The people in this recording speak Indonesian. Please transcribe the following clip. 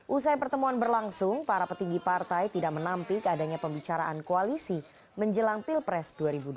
usai pertemuan berlangsung para petinggi partai tidak menampik adanya pembicaraan koalisi menjelang pilpres dua ribu dua puluh